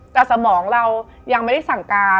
แต่สมองเรายังไม่ได้สั่งการ